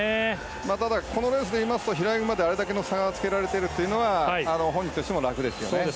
ただこのレースでいいますと平泳ぎまであれだけの差がつけられていると本人としても楽ですよね。